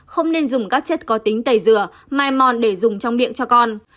không nên dùng các chất có tính tẩy rửa mai mòn để dùng trong điện cho con